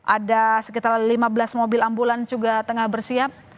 ada sekitar lima belas mobil ambulan juga tengah bersiap